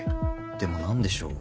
でも何でしょう？